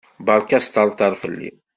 Beṛka asṭerṭer fell-i.